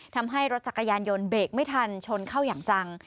ทำให้รถจักรยานยนต์เบรกไม่ทันชนเข้าอย่างจัง